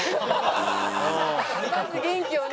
まず元気をね